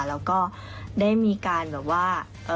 แล้วก็ได้มีการแบบว่า